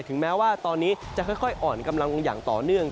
แม้ว่าตอนนี้จะค่อยอ่อนกำลังลงอย่างต่อเนื่อง